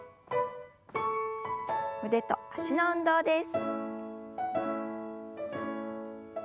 腕と脚の運動です。